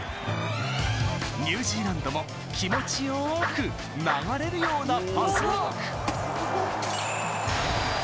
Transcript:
ニュージーランドも、気持ちよく流れるようなパスワーク。